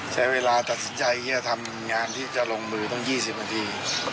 ใช้เวลาตัดสินใจที่จะทำงานที่จะลงมือตั้ง๒๐นาที